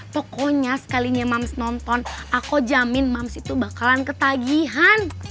pokoknya sekalinya mums nonton aku jamin mums itu bakalan ketagihan